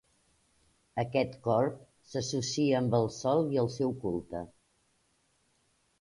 Aquest corb s'associa amb el sol i el seu culte.